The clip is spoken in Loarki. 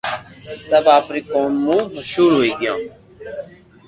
سب آپري نوم مون مݾھور ھوئي گيو